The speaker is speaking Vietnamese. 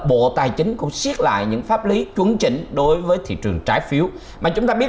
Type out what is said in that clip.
bộ tài chính cũng xiết lại những pháp lý chuẩn chỉnh đối với thị trường trái phiếu mà chúng ta biết